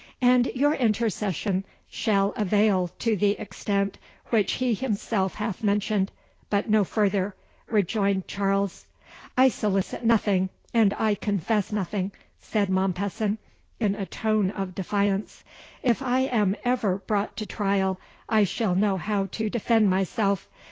"And your intercession shall avail to the extent which he himself hath mentioned but no further," rejoined Charles. "I solicit nothing and I confess nothing," said Mompesson, in a tone of defiance. "If I am ever brought to trial I shall know how to defend myself.